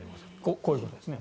こういうことですね。